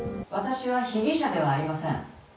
「私は被疑者ではありません」